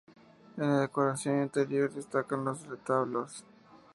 En la decoración interior, destacan los retablos.